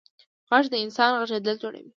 غږ د انسان غږېدل جوړوي.